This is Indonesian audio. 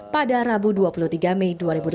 pada rabu dua puluh tiga mei dua ribu delapan belas